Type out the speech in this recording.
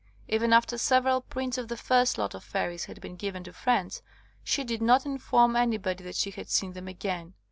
Even after several prints of the first lot of fairies had been given to friends, she did not inform anybody that she had seen them again.